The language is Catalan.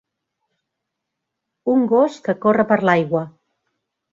Un gos que corre per l'aigua